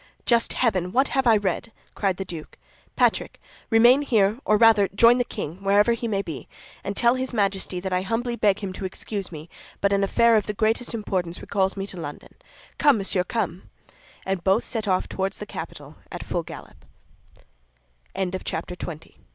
"Just heaven, what have I read?" cried the duke. "Patrick, remain here, or rather join the king, wherever he may be, and tell his Majesty that I humbly beg him to excuse me, but an affair of the greatest importance recalls me to London. Come, monsieur, come!" and both set off towards the capital at full gallop. Chapter XXI.